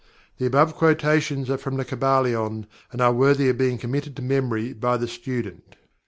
The above quotations are from The Kybalion, and are worthy of being committed to memory by the student.